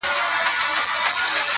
ژونده ټول غزل عزل ټپې ټپې سه,